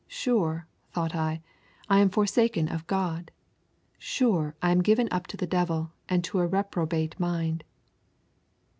Sure, thought I, I am forsaken of God; sure I am given up to the devil, and to a reprobate mind.'